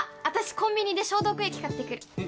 私コンビニで消毒液買ってくる。